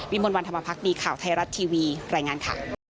วิมวันวันธมาภัคดิ์ข่าวไทยรัฐทีวีรายงานค่ะ